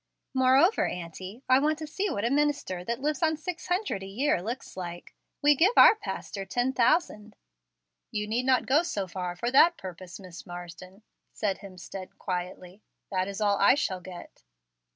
"Moreover, auntie, I want to see what a minister that lives on six hundred a year looks like. We give our pastor ten thousand." "You need not go so far for that purpose, Miss Marsden," said Hemstead, quietly: "that is all I shall get."